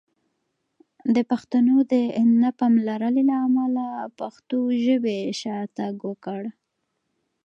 د پښتنو د نه پاملرنې له امله پښتو ژبې شاتګ وکړ!